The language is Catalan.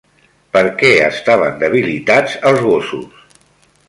Per què estaven debilitats els gossos?